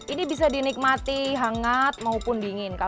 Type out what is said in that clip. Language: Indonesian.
ini bisa dinikmati hangat maupun dingin